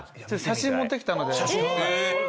写真持ってきたので。